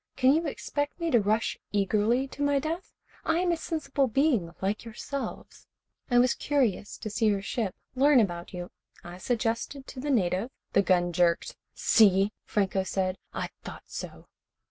Can you expect me to rush eagerly to my death? I am a sensible being like yourselves. I was curious to see your ship, learn about you. I suggested to the native " The gun jerked. "See," Franco said. "I thought so."